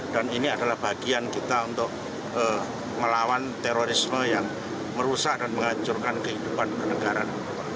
dan ini adalah bagian kita untuk melawan terorisme yang merusak dan menghancurkan kehidupan penegaraan